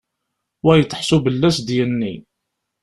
Wayeḍ ḥsu belli ad s-d-yenni.